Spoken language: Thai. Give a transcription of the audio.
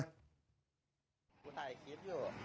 เฮ่ยเยี่ยมมากครับ